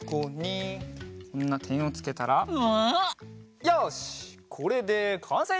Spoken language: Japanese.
よしこれでかんせい！